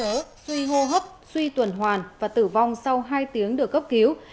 tuy nhiên một bé có bệnh viện nôn trớ suy hô hấp suy tuần hoàn và tử vong sau hai tiếng được cấp cứu